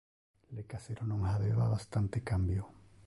Le cassero non habeva bastante cambio.